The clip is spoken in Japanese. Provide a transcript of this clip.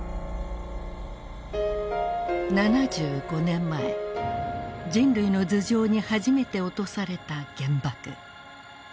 ７５年前人類の頭上に初めて落とされた原爆。